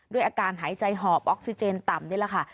ด้วยอาการหายใจหอบออกซิเจนต่ำนี่แหละค่ะ